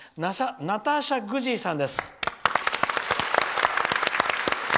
ナターシャ・グジーさんです。